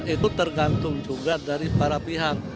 itu tergantung juga dari para pihak